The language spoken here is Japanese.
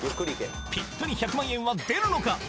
ピッタリ１００万円は出るのか？